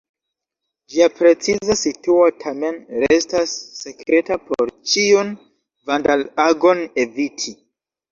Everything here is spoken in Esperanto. Ĝia preciza situo tamen restas sekreta por ĉiun vandal-agon eviti.